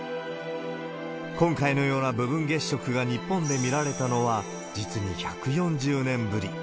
今回のような部分月食が日本で見られたのは実に１４０年ぶり。